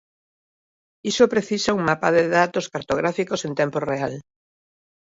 Iso precisa un mapa de datos cartográficos en tempo real.